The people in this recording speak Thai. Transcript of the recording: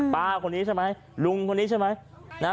ป้าคนนี้ใช่ไหมลุงคนนี้ใช่ไหม